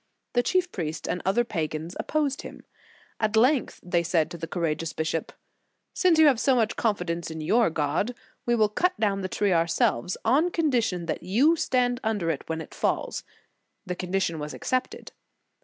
The chief priest and other pagans opposed him. At length they said to the courageous bishop: "Since you have so much confidence in your God, we will cut down the tree ourselves, on con dition that you stand under it when it falls." The condition was accepted.